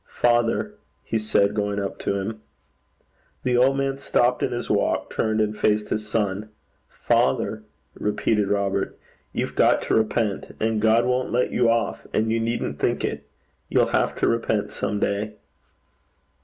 'Father,' he said, going up to him. The old man stopped in his walk, turned, and faced his son. 'Father,' repeated Robert, 'you've got to repent; and God won't let you off; and you needn't think it. You'll have to repent some day.'